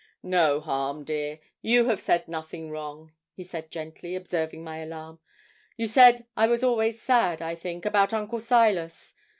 'No harm, dear. You have said nothing wrong,' he said gently, observing my alarm. 'You said I was always sad, I think, about Uncle Silas.